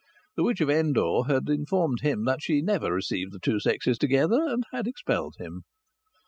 The witch of Endor had informed him that she never received the two sexes together, and had expelled him.